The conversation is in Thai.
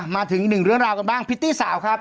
มาถึงกันอีกภิตตี้สาวครับ